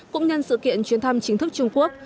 cũng nhân sự kiện chuyến thăm chính thức trung quốc